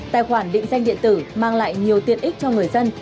tài khoản định danh điện tử mang lại nhiều tiện ích cho người dân